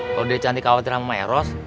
kalau dia cantik khawatir sama eros